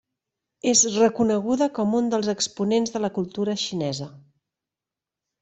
És reconeguda com un dels exponents de la cultura xinesa.